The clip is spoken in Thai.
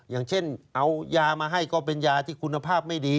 อย่างเช่นเอายามาให้ก็เป็นยาที่คุณภาพไม่ดี